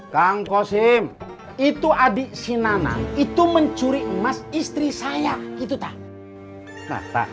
kang kosim itu adik si nana itu mencuri emas istri saya gitu tak